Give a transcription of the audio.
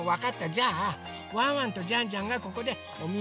じゃあワンワンとジャンジャンがここでおみおくりをします。